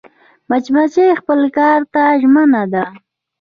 مچمچۍ خپل کار ته ژمنه ده